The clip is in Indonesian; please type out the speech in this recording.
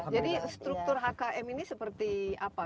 jadi struktur hkm ini seperti apa